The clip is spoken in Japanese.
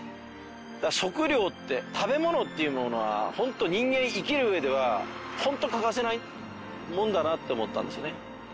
だから食料って食べ物っていうものは本当人間生きる上では本当欠かせないものだなって思ったんですよね。